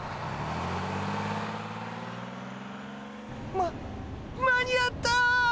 ま間に合った！